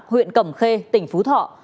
huyện cẩm khê tỉnh phú thọ